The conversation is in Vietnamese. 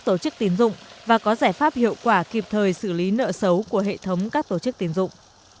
tổ chức tiến dụng và có giải pháp hiệu quả kịp thời xử lý nợ xấu của hệ thống các tổ chức tiến dụng